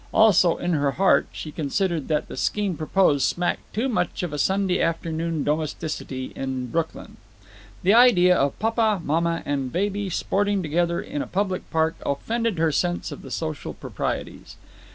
Also, in her heart, she considered that the scheme proposed smacked too much of Sunday afternoon domesticity in Brooklyn. The idea of papa, mamma, and baby sporting together in a public park offended her sense of the social proprieties.